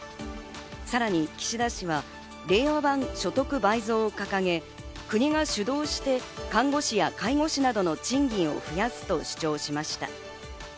さらに岸田氏は令和版所得倍増を掲げ、国が主導して看護師や介護士などの賃金を増やすと主張しました。